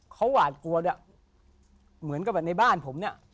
เขาหวาดกวนเหมือนกับในบ้านผมเนี่ย